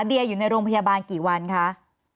เดียอยู่ในโรงพยาบาลกี่วันคะ